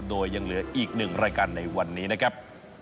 โดยยังเหลืออีกหนึ่งรายการในวันนี้นะครับ